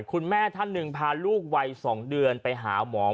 คุณแม่ท่านหนึ่งพาลูกวัย๒เดือนไปหาหมอ